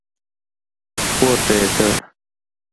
پورته يې کړ.